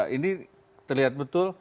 ini terlihat betul